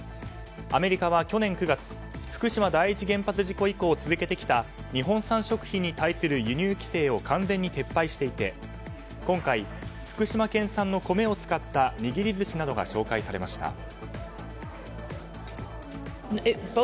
アメリカは去年９月福島第一原発事故以降続けてきた日本産食品に対する輸入規制を完全に撤廃していて今回、福島県産の米を使った握り寿司などが紹介されました。